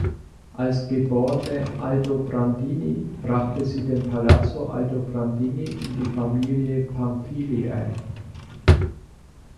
Als geborene Aldobrandini brachte sie den Palazzo Aldobrandini in die Familie Pamphilj ein.